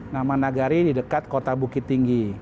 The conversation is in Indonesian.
nama nagari di dekat kota bukit tinggi